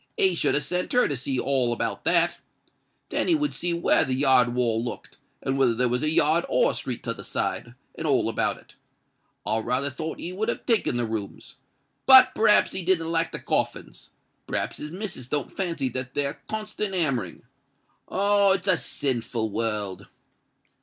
He should have sent her to see all about that. Then he would see where the yard wall looked—and whether there was a yard or a street t' other side—and all about it. I raly thought he would have taken the rooms. But p'rhaps he didn't like the coffins: p'rhaps his missus don't fancy that there constant hammering. Ah! it's a sinful world!"